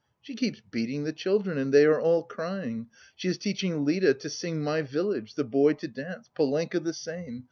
She keeps beating the children and they are all crying. She is teaching Lida to sing 'My Village,' the boy to dance, Polenka the same.